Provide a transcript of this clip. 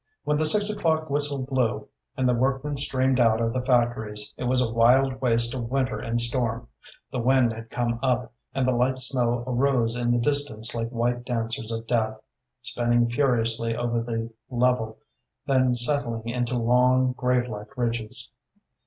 When the six o'clock whistle blew, and the workmen streamed out of the factories, it was a wild waste of winter and storm. The wind had come up, and the light snow arose in the distance like white dancers of death, spinning furiously over the level, then settling into long, gravelike ridges.